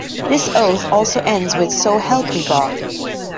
This oath also ends with So help me God!